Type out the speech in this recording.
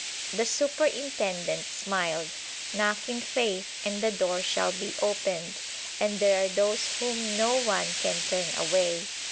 The Superintendent smiled. Knock in faith and the door shall be opened there are those whom no one can turn away.